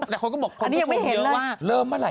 แต่คนก็บอกว่า